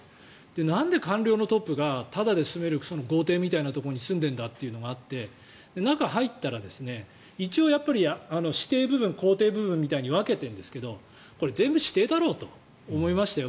なんで官僚のトップがタダで住める豪邸みたいなところい住んでいるんだというのがあって中に入ったら一応私邸部分、公邸部分みたいに分けているんですけど全部、私邸だろうと思いましたよ